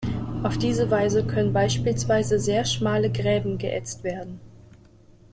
Auf diese Weise können beispielsweise sehr schmale Gräben geätzt werden.